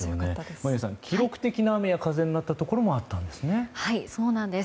眞家さん、記録的な雨風になったところもそうなんです。